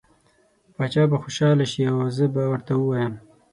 باچا به خوشحاله شي او زه به ورته ووایم.